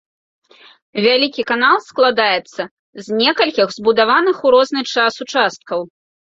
Вялікі канал складаецца з некалькіх збудаваных у розны час участкаў.